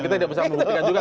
kita bisa mengubah juga